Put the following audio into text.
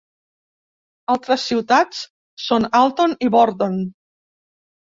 Altres ciutats són Alton i Bordon.